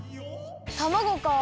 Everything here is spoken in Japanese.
たまごかあ。